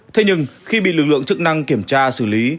thế nhưng khi bị lực lượng chức năng kiểm tra xử lý